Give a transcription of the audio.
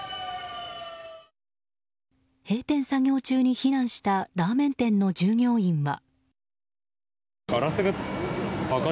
閉店作業中に避難したラーメン店の従業員は。